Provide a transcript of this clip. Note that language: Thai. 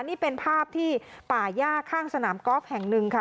นี่เป็นภาพที่ป่าย่าข้างสนามกอล์ฟแห่งหนึ่งค่ะ